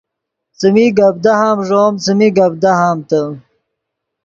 څیمی گپ دہام ݱوم څیمی گپ دہامتے